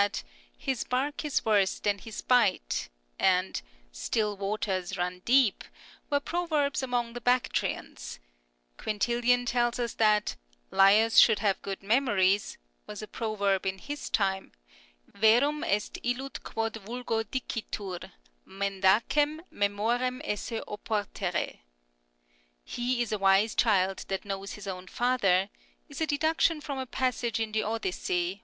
4) that " His bark is worse than his bite " and " Still waters run deep " were proverbs among the Bactrians ; Quintilian tells us that " Liars should have good memories " was a proverb in his time, " Verum est illud quod vulgo dicitur, niendacem memorem esse oportere " (inst. iv. 2, 91). " He is a wise child that knows his own father " is a deduction from a passage in the Odyssey (i.